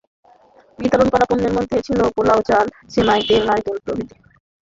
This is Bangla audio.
বিতরণ করা পণ্যের মধ্যে ছিল পোলাও চাল, সেমাই, তেল, নারকেল প্রভৃতি।